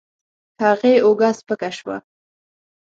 هغې اوږه سپکه شوه.